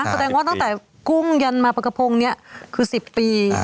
แสดงว่าตั้งแต่กุ้งยันมาปลากระพงเนี่ยคือ๑๐ปี